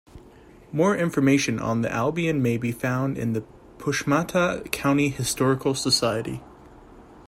More information on Albion may be found in the Pushmataha County Historical Society.